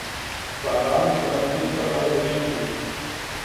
باران په نرمۍ سره اوریږي